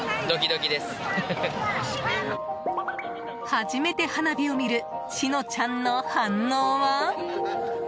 初めて花火を見る詩乃ちゃんの反応は。